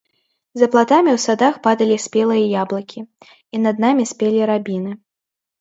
За платамі ў садах падалі спелыя яблыкі, і над намі спелі рабіны.